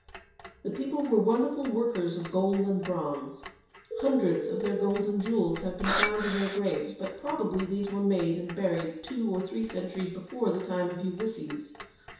The people were wonderful workers of gold and bronze. Hundreds of their golden jewels have been found in their graves, but probably these were made and buried two or three centuries before the time of Ulysses.